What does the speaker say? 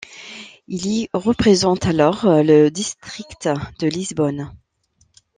Il y représente alors le district de Lisbonne.